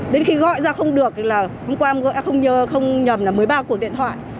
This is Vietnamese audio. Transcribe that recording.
đến khi gọi ra không được là hôm qua gọi không nhầm là một mươi ba cuộc điện thoại